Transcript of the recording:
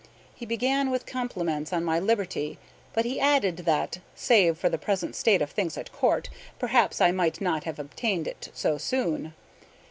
He began with compliments on my liberty, but he added that, save for the present state of things at Court, perhaps I might not have obtained it so soon.